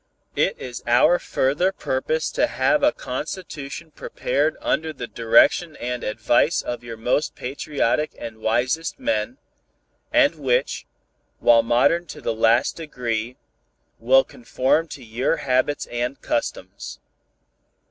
It is our further purpose to have a constitution prepared under the direction and advice of your most patriotic and wisest men, and which, while modern to the last degree, will conform to your habits and customs.